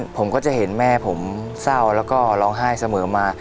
ผมก็จะเห็นแม่ผมเศร้าแล้วก็ร้องไห้เสมอมา